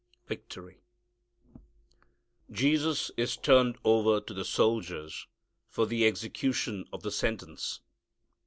Victory. Jesus is turned over to the soldiers for the execution of the sentence.